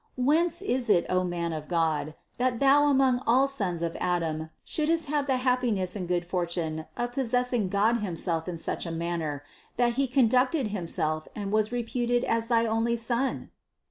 Whence is it, O man of God, that thou among all sons of Adam, shouldst have the happiness and good fortune of possessing God himself in such a manner, that He conducted Himself and was reputed as thy only Son?